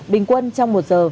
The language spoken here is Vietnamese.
bình quân trong một giờ